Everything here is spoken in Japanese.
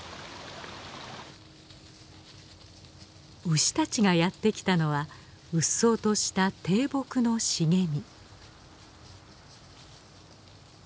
牛たちがやってきたのはうっそうとした低木の茂み。